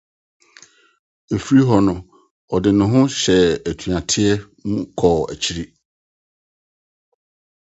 Efi hɔ no ɔde ne ho hyɛɛ atuatew mu kɔɔ akyiri.